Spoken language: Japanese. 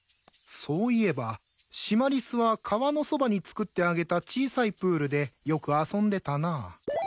そういえばシマリスは川のそばにつくってあげた小さいプールでよく遊んでたな。